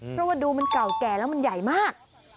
เพราะว่าดูมันเก่าแก่แล้วมันใหญ่มาก